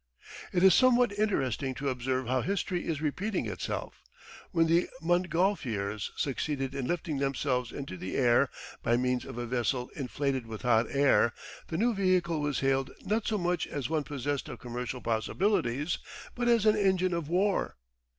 It is somewhat interesting to observe how history is repeating itself. When the Montgolfiers succeeded in lifting themselves into the air by means of a vessel inflated with hot air, the new vehicle was hailed not so much as one possessed of commercial possibilities, but as an engine of war!